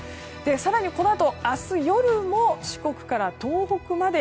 更にこのあと、明日夜も四国から東北まで